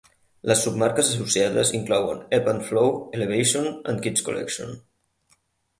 Les submarques associades inclouen Ebb and Flow, Elevation and Kids Collection.